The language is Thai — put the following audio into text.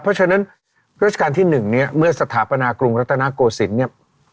เพราะฉะนั้นราชการที่๑เนี่ยเมื่อสถาปนากรุงรัฐนาโกศิลป์เนี่ย